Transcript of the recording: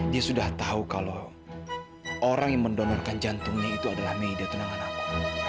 dia sudah tahu kalau orang yang mendonorkan jantungnya itu adalah meida tenangan aku